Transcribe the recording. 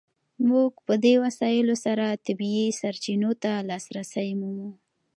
موږ په دې وسایلو سره طبیعي سرچینو ته لاسرسی مومو.